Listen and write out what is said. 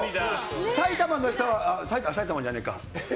埼玉の人埼玉じゃねえか。